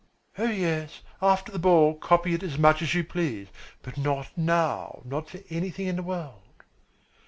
"Oh, yes, after the ball copy it as much as you please, but not now, not for anything in the world."